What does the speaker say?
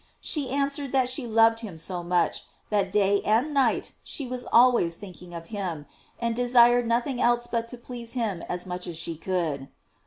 She answered that she loved him so much, that day and night she was always thinking of him, and desired nothing else but to please him as much as she could.